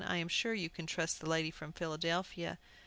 "I'm sure you can trust the lady from Philadelphia."